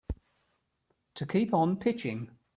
To keep on pitching.